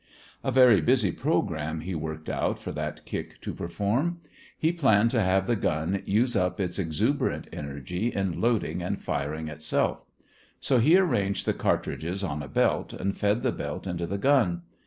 A very busy program he worked out for that kick to perform. He planned to have the gun use up its exuberant energy in loading and firing itself. So he arranged the cartridges on a belt and fed the belt into the gun.